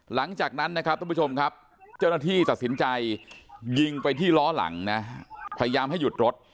หลังจากนั้นนะครับทุกผู้ชมครับเจ้าหน้าที่ตัดสินใจยิงไปที่ล้อหลังนะพยายามให้หยุดรถ